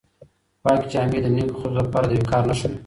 پاکې جامې د نېکو خلکو لپاره د وقار نښه وي.